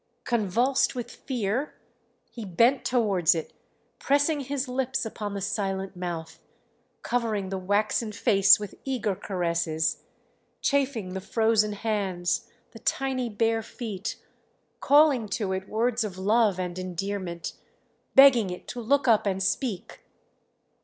Convulsed with fear he bent towards it, pressing his lips upon the silent mouth, covering the waxen face with eager caresses, chafing the frozen hands, the tiny bare feet, calling to it words of love and endearment, begging it to look up and speak.